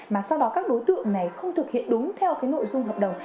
mà sau đó các đối tượng này không thực hiện đúng theo nội dung hợp đồng